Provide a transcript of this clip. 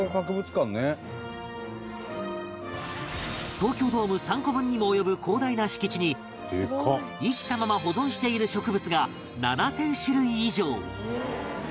東京ドーム３個分にも及ぶ広大な敷地に生きたまま保存している植物が７０００種類以上